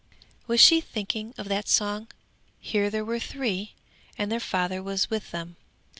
Was she thinking of that song? Here there were three and their father was with them.